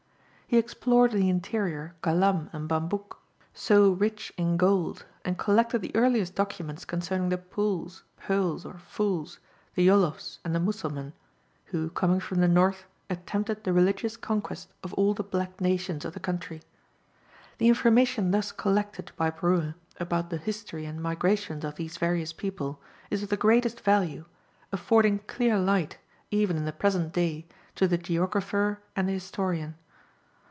He explored in the interior Galam and Bambouk, so rich in gold, and collected the earliest documents concerning the Pouls, Peuls or Fouls, the Yoloffs and the Mussulmen, who coming from the north, attempted the religious conquest of all the black nations of the country. The information thus collected by Brue about the history and migrations of these various people, is of the greatest value, affording clear light, even in the present day, to the geographer and the historian.